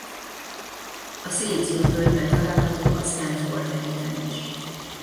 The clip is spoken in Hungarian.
A Szilícium-völgyben található a Stanford Egyetem is.